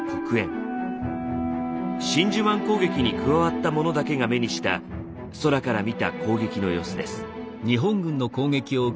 真珠湾攻撃に加わった者だけが目にした空から見た攻撃の様子です。